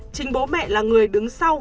chính bố mẹ là người đứng sau